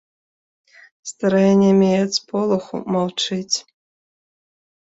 Старая нямее ад сполаху, маўчыць.